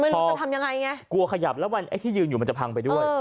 พอกลัวขยับแล้วไอ้ที่ยืนอยู่มันจะพังไปด้วย